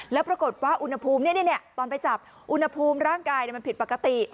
แล้วปรากฏว่าอุณหภูมิตอนไปจับอุณหภูมิร่างกายมันผิดปกติ